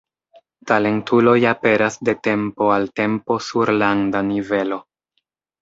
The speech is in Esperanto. Talentuloj aperas de tempo al tempo sur landa nivelo.